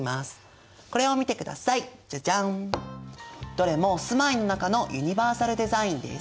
どれも住まいの中のユニバーサルデザインです。